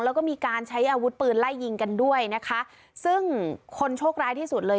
แล้วก็มีการใช้อาวุธปืนไล่ยิงกันด้วยนะคะซึ่งคนโชคร้ายที่สุดเลย